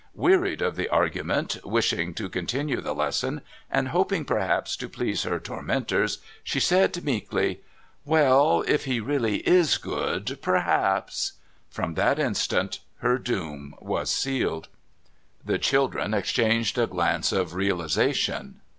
Wearied of the argument, wishing to continue the lesson, and hoping perhaps to please her tormentors, she said meekly: "Well, if he really is good, perhaps " From that instant her doom was sealed. The children exchanged a glance of realisation.